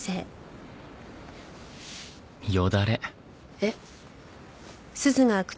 えっ？